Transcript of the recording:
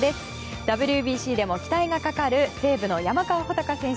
ＷＢＣでも期待がかかる西武の山川穂高選手。